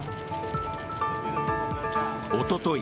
おととい